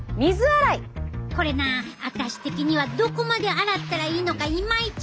これなあたし的にはどこまで洗ったらいいのかイマイチ